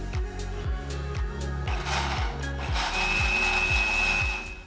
hal inilah yang dirasakan hom siatun yang sudah hampir lima belas tahun hidup di kampung itu